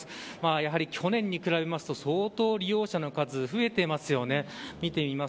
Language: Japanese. やはり、去年に比べますと相当、利用者の数が増えています。